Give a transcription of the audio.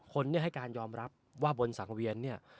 คนที่ให้การยอมรับว่าบนสังเวียนเนี่ย